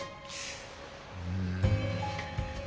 うん。